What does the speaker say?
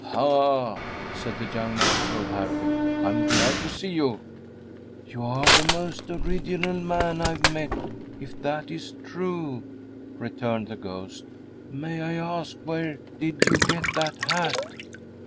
"Ha!" said the young master of Harrowby. "I'm glad to see you." "You are the most original man I've met, if that is true," returned the ghost. "May I ask where did you get that hat?"